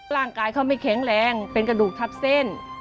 ร่างกายเขาไม่แข็งแรงเป็นกระดูกทับเส้น